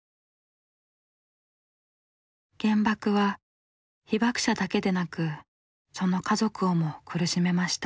原爆は被爆者だけでなくその家族をも苦しめました。